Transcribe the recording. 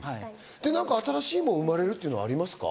新しいものが生まれるっていうことはありますか？